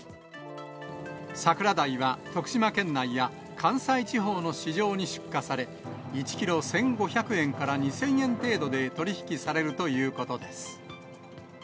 桜鯛は、徳島県内や関西地方の市場に出荷され、１キロ１５００円から２０００円程度で取り引きされるということです。